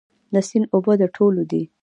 د سیند اوبه د ټولو دي؟